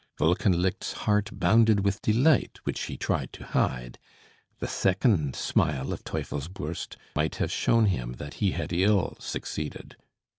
Wolkenlicht's heart bounded with delight, which he tried to hide: the second smile of Teufelsbürst might have shown him that he had ill succeeded.